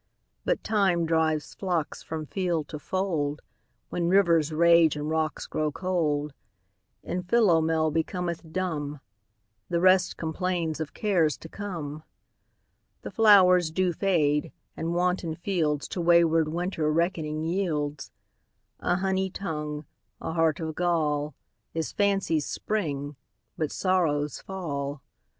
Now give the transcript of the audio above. But Time drives flocks from field to fold; When rivers rage and rocks grow cold; And Philomel becometh dumb; The rest complains of cares to come. The flowers do fade, and wanton fieldsTo wayward Winter reckoning yields:A honey tongue, a heart of gall, Is fancy's spring, but sorrow's fall.